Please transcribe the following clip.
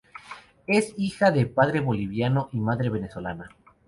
Es hija de padre boliviano y madre venezolana.